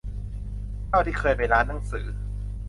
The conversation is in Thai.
เท่าที่เคยไปร้านหนังสือ